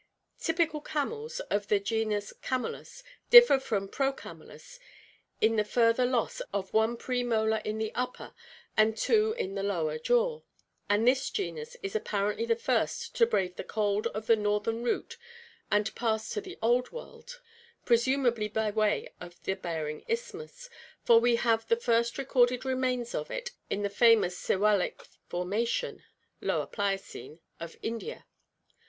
Typical camels, of the genus Camelus, differ from Procamelus in the further loss of one premolar in the upper and two in the lower jaw, and this genus is apparently the first to brave the cold of the northern route and pass to the Old World, presumably by way of the Bering Isthmus, for we have the first recorded remains of it in the famous Siwalik formation (Lower Pliocene) of India.